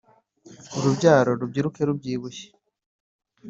Urubyaro rubyiruke rubyibushye